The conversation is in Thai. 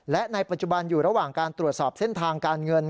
และในปัจจุบันอยู่ระหว่างการตรวจสอบเส้นทางการเงิน